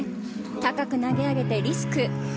高く投げ上げてリスク。